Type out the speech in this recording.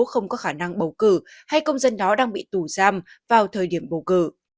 không có khả năng bầu cử hay công dân đó đang bị tù giam vào thời điểm bầu cử